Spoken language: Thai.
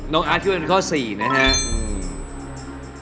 น้องอัสคิดว่าเป็นข้อ๔นะฮะ